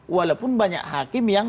walaupun banyak hakim yang